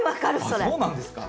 そうなんですか？